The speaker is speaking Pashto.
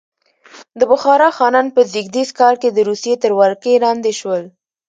د بخارا خانان په زېږدیز کال د روسیې تر ولکې لاندې شول.